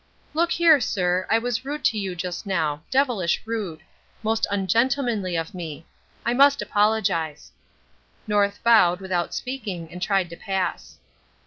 "Look here, sir, I was rude to you just now devilish rude. Most ungentlemanly of me. I must apologize." North bowed, without speaking, and tried to pass.